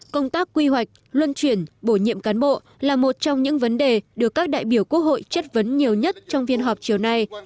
công tác quy hoạch luân chuyển bổ nhiệm cán bộ là một trong những vấn đề được các đại biểu quốc hội chất vấn nhiều nhất trong phiên họp chiều nay